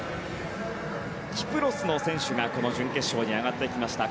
キプロスの選手が準決勝に上がってきました。